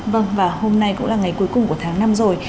vâng và hôm nay cũng là ngày cuối cùng của tháng năm rồi